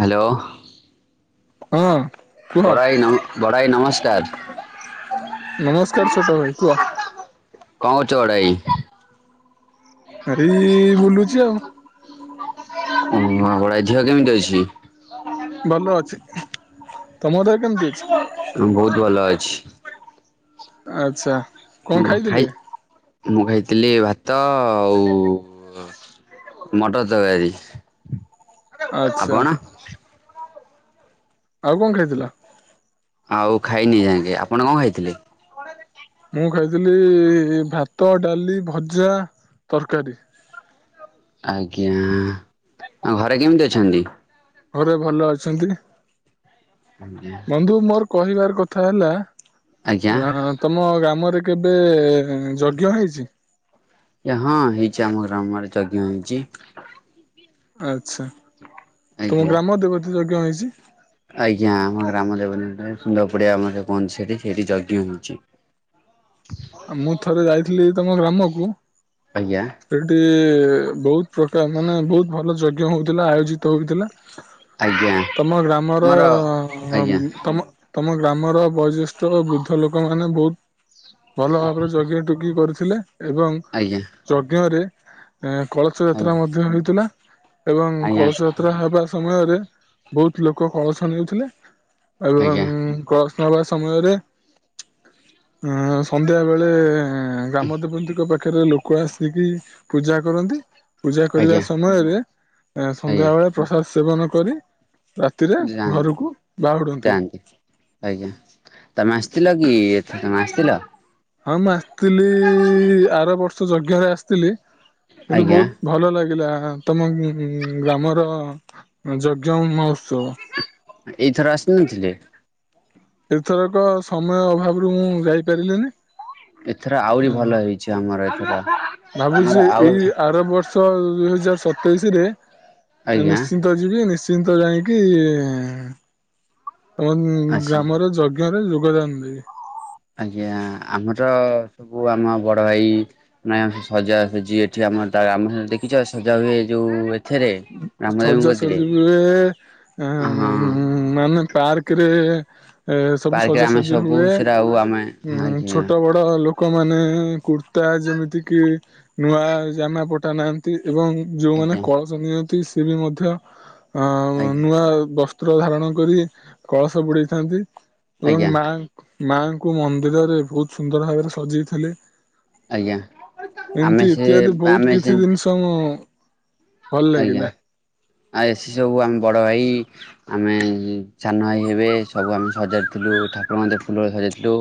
Hello. ହଁ। କୁହ ବଡ ଭାଇ ନମ ବଡ ଭାଇ ନମସ୍କାର। ନମସ୍କାର ଛୋଟ ଭାଇ କୁହ। କଁ କରୁଛ ବଡ଼ ଭାଇ। ହାରେ ଏଇ ବୁଲୁଛି ଆଉ। [unintelligible] ଧିଅ କେମିତି ଅଛି। ଭଲ ଅଛି ତମ ଦେହ କେମତି ଅଛି। ହଁ ବହୁତ ଭଲ ଅଛି। ଆଚ୍ଛା। କଣ ହଁ ଖାଇ ଖାଇଥିଲେ? ମୁଁ ଖାଇଥିଲି ଭାତ ଆଉ ମଟର ତକାରୀ ଆଚ୍ଛା ଆପଣ। ଆଉ କଁ ଖାଇଥିଲ। ଆଉ ଖାଇନି ଏ ତାଙ୍କେ ଆପଣ କଣ ଖାଇଥିଲେ? ମୁଁ ଖାଇଥିଲି ଭାତ, ଡାଲି, ଭଜା, ତରକାରୀ। ଆଜ୍ଞା ଆଉ ଘରେ କେମିତି ଅଛନ୍ତି? ଘରେ ଭଲ ଅଛନ୍ତି ବନ୍ଧୁ ମୋର କହିବାର କଥା ହେଲା। ଆଜ୍ଞା ଆଁ ତମ ଗ୍ରାମରେ କେବେ ଯଜ୍ଞ ହେଇଛି। ହଁ ହେଇଛି ଆମ ଗ୍ରାମରେ ଯଜ୍ଞ ହେଇଛି। ଆଚ୍ଛା ତୁମ ଆଜ୍ଞା। ଗ୍ରାମ ଦେବତୀ ଯଜ୍ଞ ହେଇଛି। ଆଜ୍ଞା ଆମ ଗ୍ରାମ ଦେବତି ଙ୍କ ସୁନ୍ଦର ପଡିଆ ଆମର ସେ କୁହନ୍ତି ସେଠି ସେଇଠି ଯଜ୍ଞ ହଉଛି। ଆଉ ମୁଁ ଥରେ ଯାଇଥିଲି ତମ ଗ୍ରାମକୁ। ଆଜ୍ଞା। ସେଇଠି ବହୁତ ପ୍ରକାର ମାନେ ବହୁତ ଭଲ ଯଜ୍ଞ ହଉଥିଲା ଆୟୋଜି ତ ହୋଇଥିଲା ଆଜ୍ଞା ତମ ଗ୍ରାମର ଆମର ଆଜ୍ଞା ଅଁ ତମ ତମ ଗ୍ରାମର ବୟଜ୍ୟେଷ୍ଠ ବୃଦ୍ଧ ଲୋକମାନେ ବହୁତ। ଭଲ ଭାବରେ ଜଜ୍ଞ ଟିକି କରିଥିଲେ ଏବଂ। ଆଜ୍ଞା। ଯଜ୍ଞ ରେ ଏଁ କଳସ ଯାତ୍ରା ମଧ୍ୟ ହୋଇଥିଲା। ଏବଂ ଆଜ୍ଞା କଳସ ଯାତ୍ରା ହେବା ସମୟରେ ବହୁତ ଲୋକ କଳସ ନେଉଥିଲେ। ଏବଂ ଆଜ୍ଞା କଳସ ନେବା ସମୟରେ ଅଁ। ସନ୍ଧ୍ୟାବେଳେ ଗ୍ରାମ ଦେବନ୍ତୀଙ୍କ ପାଖରେ ଲୋକ ଆସିକି। ପୂଜା କରନ୍ତି ପୂଜା କରିବା ଆଜ୍ଞା ସମୟରେ ଆଜ୍ଞା ସନ୍ଧ୍ୟାବେେଳେ। ପ୍ରସାଦ ସେବନ କରି ରାତିରେ ଯାଆନ୍ତି ଘରକୁ ବାହୁଡ଼ନ୍ତି। ଯାଆନ୍ତି ଆଜ୍ଞା ତମେ ଆସିଥିଲ କି ଏଠି ତମେ ଆସିଥିଲ। ହଁ ମୁଁ ଆସିଥିଲି ଆର ବର୍ଷ ଯଜ୍ଞ ରେ ଆସିଥିଲି। କିନ୍ତୁ ଆଜ୍ଞା ବହୁତ ଭଲ ଲାଗିଲା। ତମ ଗ୍ରାମର ଯଜ୍ଞ ମହୋତ୍ସବ। ଏଇଥର ଆସିନଥିଲେ। ଏଥରକ ସମୟ ଅଭାବରୁ ମୁଁ ଯାଇପାରିଲିନି। ଏଥର ଆହୁରି ଭଲ ହେଇଛି ଆମର ଏଥର। ଆମର ଭାବୁଛି ଆଉ ଏଇ ଆର ବର୍ଷ ଦୁଇ ହଜାର ସତେଇଶ ରେ ଆଜ୍ଞା ନିଶ୍ଚ ଯିବି ନିଶ୍ଚିନ୍ତ ଯାଇଁକି ତମ ଅଛି ଗ୍ରାମର ଯଜ୍ଞ ଯଜ୍ଞରେ ଯୋଗଦାନ ଦେବି। ଆଜ୍ଞା ଆମର ସବୁ ଆମ ବଡ଼ ଭାଇ ନାଇଁ ଆମର ସବୁ ସଜା ସଜି ଏଠି ଆମର ତା ଆମ ଦେଖିଛ ସଜା ହୁଏ ଯୋଉ ଏଥିରେ ରାମଦେବଙ୍କ ସଜା କତିରେ ସଜିି ହୁଏ ହଁ ଉଁ ମାନେ ପାର୍କ ରେ ଏ ସବୁ ପାର୍କରେ ଆମେ ସଜାସଜି ସବୁ ହୁଏ ସେଟା ଆଉ ଆମେ ଉଁ ଆଜ୍ଞା ଛୋଟ ବଡ ବଡ ଲୋକମାନେ କୁର୍ତ୍ତା ଯେମିତି କିି‌ ନୂଆ ଜାମା ପଠା ନାହାନ୍ତି ଏବଂ ଯୋଉମାନେ ଆଜ୍ଞା କଳସ ନିଅନ୍ତି ସି ବି ମଧ୍ୟ ଅ ଆଜ୍ଞା ନୂଆ ବ ବସ୍ତ୍ର ଧାରଣ କରି କଳସ ବୁଡେଇଥାନ୍ତି ଆଜ୍ଞା ଏବଂ ମା ମାଙ୍କୁ ମନ୍ଦିରରେ ବୋହୁତ ସୁନ୍ଦର ଭାବରେ ସଜେଇଥିଲେ। ଆଜ୍ଞା ଆମେ ଏମିତି ସେ ଇତ୍ୟାଦି ବୋହୁତ ଆମେ ସେ କିଛି ଜିନିଷ ମୁଁ ଭଲ ଆଜ୍ଞା ଲାଗିଲା ଆଉ ଏସି ସବୁ ଆମ ବଡ ଭାଇ ଆମେ ସାନ ଭାଇ ହେବେ ସବୁ ଆମେ ସଜାଇଥିଲୁ ଠାକୁରଙ୍କୁ ଫୁଲ ମାଳରେ ସଜାଡଥିଲୁ।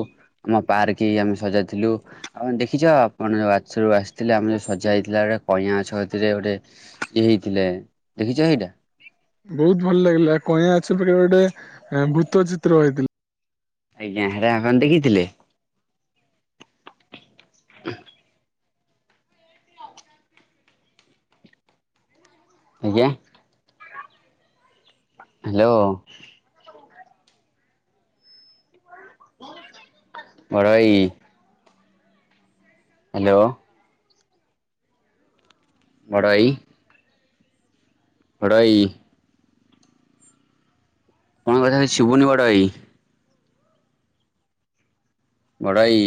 ଆମ ପାର୍କଇ ଆମେ ସଜାଇଥିଲୁ। ଆପଣ ଦେଖିଛ ଆପଣ ଜୋଉ ଆଥରକୁ ଆସିଥିଲେ ଆମର ଯୋଉ ସଜା ହେଇଥିଲା ଗୋଟେ କଇଁଆଗଛ କତିରେ ଗୋଟେ ଇଏ ହେଇଥିଲେ ଦେଖିଛ ଏଇଟା? ବୋହୁତ ଭଲ ଲାଗିଲା କଇଁଆ ଗଛ ପାଖ ଗୋଟେ ଭୂତ ଚିତ୍ର ହେଇଥିଲା। ଆଜ୍ଞା ହେରା ଆପଣ ଦେଖିଥିଲେ? ହ। ଆଜ୍ଞା। ହାଲୋ। ବଡ ଭାଇ। ହାଲୋ। ବଡ ଭାଇ। ବଡ ଭାଇ। ଆପଣ କଥା କିଛି ଶୁିବୁନି ବଡ଼ ଭାଇ? ବଡ଼ା ଭାଇ।